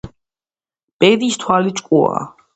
ბედის თვალი ჭკუაა